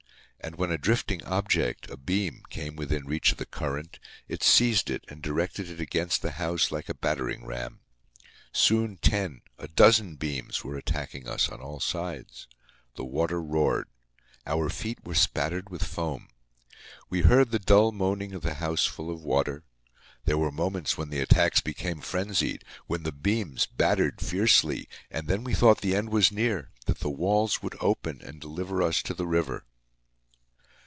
And when a drifting object, a beam, came within reach of the current, it seized it and directed it against the house like a battering ram. Soon ten, a dozen, beams were attacking us on all sides. The water roared. Our feet were spattered with foam. We heard the dull moaning of the house full of water. There were moments when the attacks became frenzied, when the beams battered fiercely; and then we thought that the end was near, that the walls would open and deliver us to the river.